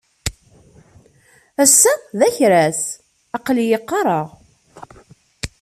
Ass-a d akras. Aql-iyi qqareɣ.